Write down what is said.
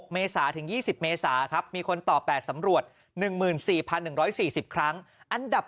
เมษาถึง๒๐เมษาครับมีคนต่อ๘สำรวจ๑๔๑๔๐ครั้งอันดับ